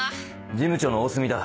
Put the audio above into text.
事務長の大隅だ。